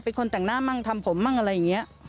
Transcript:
เป็นคนแต่งหน้ามั่งทำผมมั่งอะไรอย่างนี้